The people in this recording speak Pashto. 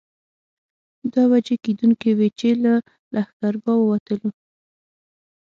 دوه بجې کېدونکې وې چې له لښکرګاه ووتلو.